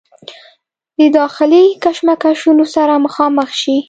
د داخلي کشمکشونو سره مخامخ شي